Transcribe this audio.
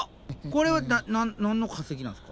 これは何の化石なんすか？